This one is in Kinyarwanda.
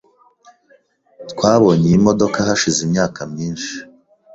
Twabonye iyi modoka hashize imyaka myinshi .